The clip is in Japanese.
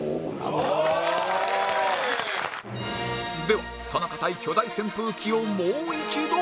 では田中対巨大扇風機をもう一度